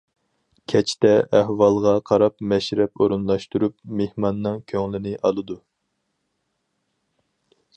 كەچتە ئەھۋالغا قاراپ مەشرەپ ئورۇنلاشتۇرۇپ، مېھماننىڭ كۆڭلىنى ئالىدۇ.